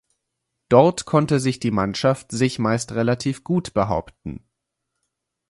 Dort konnte sich die Mannschaft sich meist relativ gut behaupten.